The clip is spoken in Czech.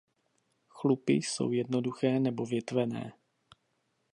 Chlupy jsou jednoduché nebo větvené.